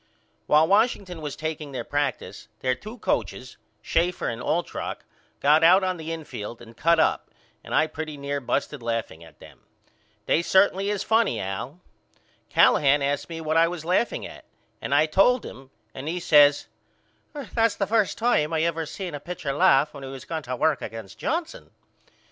While Washington was takeing their practice their two coachers Schaefer and Altrock got out on the infield and cut up and I pretty near busted laughing at them. They certainly is funny Al. Callahan asked me what was I laughing at and I told him and he says That's the first time I ever seen a pitcher laugh when he was going to work against Johnson.